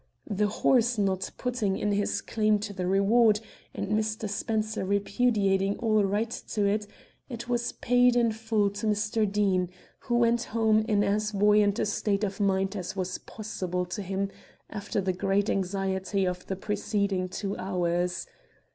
The horse not putting in his claim to the reward, and Mr. Spencer repudiating all right to it, it was paid in full to Mr. Deane, who went home in as buoyant a state of mind as was possible to him after the great anxieties of the preceding two hours.